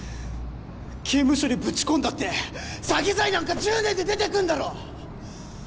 刑務所にぶち込んだって詐欺罪なんか１０年で出てくんだろ！